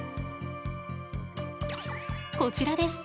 こちらです。